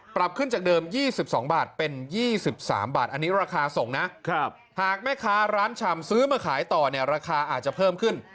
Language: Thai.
ปรับขึ้นจากเดิม๒๒บาทเป็น๒๓บาทอันนี้ราคาส่งนะหากแม่ค้าร้านชำซื้อมาขายต่อเนี่ยราคาอาจจะเพิ่มขึ้น